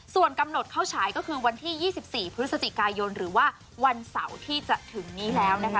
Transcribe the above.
ส่วนกำหนดเข้าฉายก็คือวันที่๒๔พฤศจิกายนหรือว่าวันเสาร์ที่จะถึงนี้แล้วนะคะ